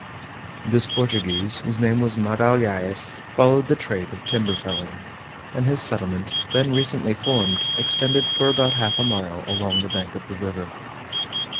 This Portuguese, whose name was Magalhaës, followed the trade of timber felling, and his settlement, then recently formed, extended for about half a mile along the bank of the river.